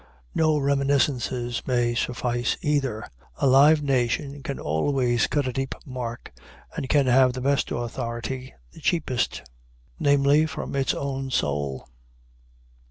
No reminiscences may suffice either. A live nation can always cut a deep mark, and can have the best authority the cheapest namely, from its own soul.